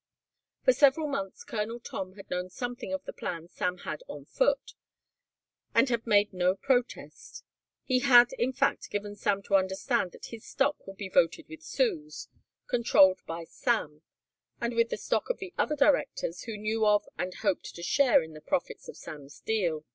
For several months Colonel Tom had known something of the plans Sam had on foot, and had made no protest. He had in fact given Sam to understand that his stock would be voted with Sue's, controlled by Sam, and with the stock of the other directors who knew of and hoped to share in the profits of Sam's deal.